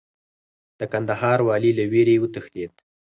د کندهار والي له ویرې وتښتېد.